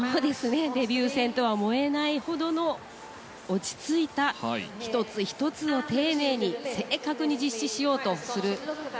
デビュー戦とは思えないほどの落ち着いた１つ１つを丁寧に正確に実施しようとする。